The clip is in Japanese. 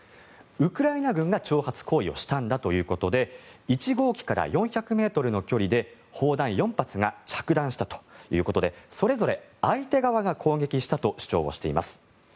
ウクライナ軍が挑発行為をしたんだということで１号機から４００ｍの距離で砲弾４発が着弾したということでそれぞれ、相手側が攻撃したと主張をしています。